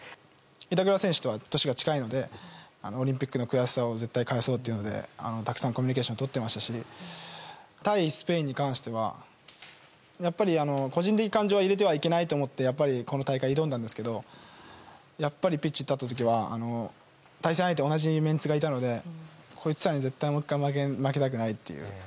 板倉選手とは年が近いのでオリンピックの悔しさを絶対返そうというのでたくさんコミュニケーションとっていましたし対スペインに対してはやっぱり個人的感情は入れてはいけないと思ってこの大会に挑んだんですがやっぱりピッチに立った時は対戦相手に同じメンツがいたのでこいつらに絶対負けたくないという。